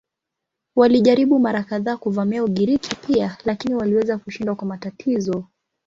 Walijaribu mara kadhaa kuvamia Ugiriki pia lakini waliweza kushindwa kwa matatizo.